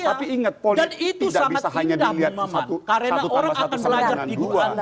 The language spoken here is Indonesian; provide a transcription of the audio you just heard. tapi ingat polisi tidak bisa hanya dilihat satu tambah satu